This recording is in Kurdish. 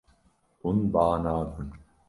Hûn ba nadin.